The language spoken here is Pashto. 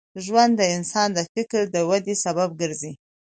ژوند د انسان د فکر د ودې سبب ګرځي.